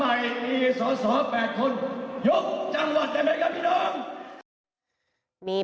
ที่สาวสาวแปดคนยกจังหวัดได้ไหมครับพี่น้อง